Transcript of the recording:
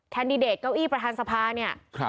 แดดิเดตเก้าอี้ประธานสภาเนี่ย